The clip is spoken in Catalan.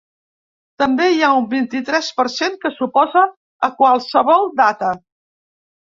També hi ha un vint-i-tres per cent que s’oposa a qualsevol data.